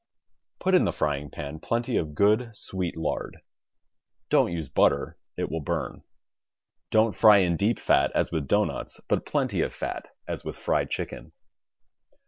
Put in the frying pan plenty of good sweet lard. Don't use butter. It will burn. Don't fry in deep fat, as with doughnuts, but plenty of fat, as with fried chicken.